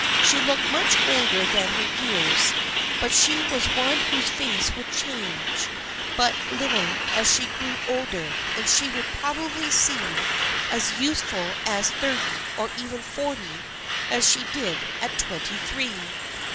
She looked much older than her years, but she was one whose face would change but little as she grew older and she would probably seem as youthful at thirty, or even forty, as she did at twenty three.